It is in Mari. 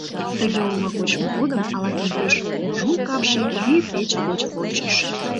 Тыге олма кочмо годым ала-кӧн пеш кужу капше кӱ пече гоч вончыш.